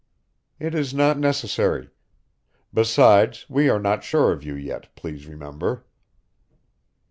"It is not necessary. Besides, we are not sure of you yet, please remember."